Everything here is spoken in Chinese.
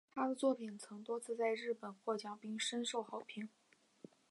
她的作品曾多次在日本获奖并深受好评。